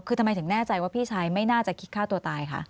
คือทำไมถึงแน่ใจว่าพี่ชายไม่น่าจะคิดฆ่าตัวตายคะ